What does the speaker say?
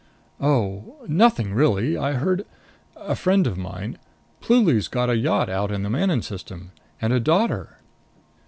"Oh nothing really. I heard a friend of mine Pluly's got a yacht out in the Manon System. And a daughter."